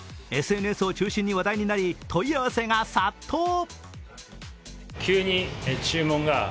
ＳＮＳを中心に話題になり問い合わせが殺到。